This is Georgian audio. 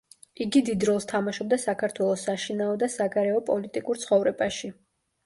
იგი დიდ როლს თამაშობდა საქართველოს საშინაო და საგარეო პოლიტიკურ ცხოვრებაში.